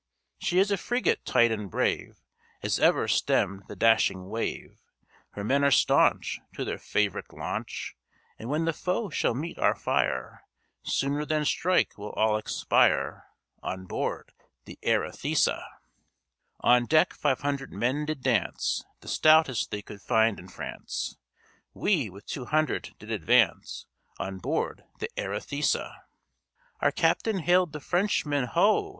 She is a frigate tight and brave As ever stemmed the dashing wave; Her men are staunch To their fav'rite launch, And when the foe shall meet our fire, Sooner than strike we'll all expire On board the Arethusa. "On deck five hundred men did dance, The stoutest they could find in France; We, with two hundred, did advance On board the Arethusa. Our captain hailed the Frenchman, 'Ho!'